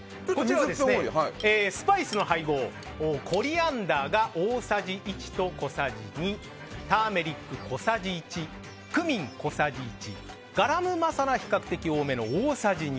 スパイスの配合コリアンダーが大さじ１と小さじ２ターメリック、小さじ１クミン、小さじ１ガラムマサラ、比較的多めの大さじ２。